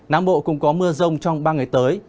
nắng bộ cũng có mưa rông trong ba ngày tới